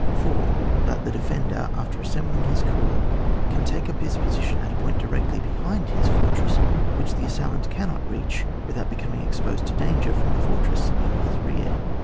That the defender, after assem bling his corps, can take up his position at a point direcdy behind this fortress, which the assailant cannot reach without be coming exposed to danger from the for tress in his rear.